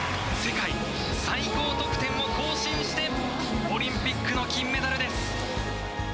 世界最高得点を更新して、オリンピックの金メダルです。